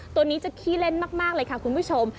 ตัวนี้จะขี้เล่นมากเลยค่ะคุณผู้ชม